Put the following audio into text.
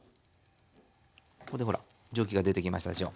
ここでほら蒸気が出てきましたでしょ。